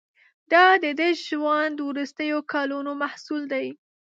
دا د ده ژوند وروستیو کلونو محصول دی.